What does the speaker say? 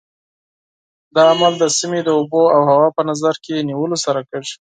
دا عمل د سیمې د اوبو او هوا په نظر کې نیولو سره کېږي.